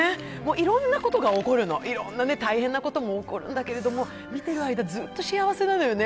いろんなことが起こるのいろんな大変なことも起こるんだけど、見てる間ずっと幸せなのよね。